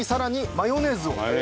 マヨネーズね。